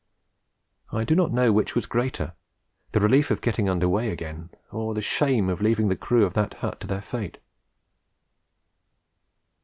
I do not know which was greater, the relief of getting under way again, or the shame of leaving the crew of that hut to their fate.